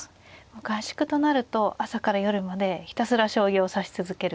合宿となると朝から夜までひたすら将棋を指し続ける。